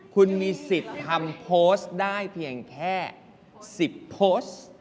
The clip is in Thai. คุณมีสิทธิ์ทำโพสต์ได้เพียงแค่๑๐โพสต์